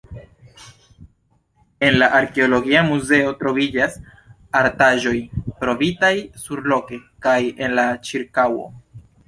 En la arkeologia muzeo troviĝas artaĵoj trovitaj surloke kaj en la ĉirkaŭo.